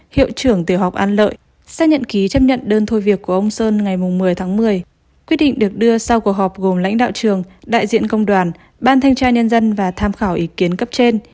hiệu trưởng tiểu học an lợi xác nhận ký chấp nhận đơn thôi việc của ông sơn ngày một mươi tháng một mươi quyết định được đưa sau cuộc họp gồm lãnh đạo trường đại diện công đoàn ban thanh tra nhân dân và tham khảo ý kiến cấp trên